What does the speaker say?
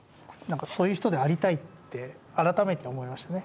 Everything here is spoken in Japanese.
そういう人でありたいって改めて思いましたね。